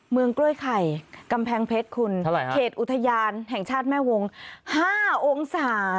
เมืองกล้วยไข่กำแพงเพชรคุณเขตอุทยานแห่งชาติแม่วง๕องศา